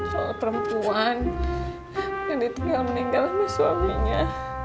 soal perempuan yang ditinggal meninggal oleh suaminya